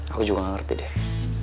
aku juga gak ngerti deh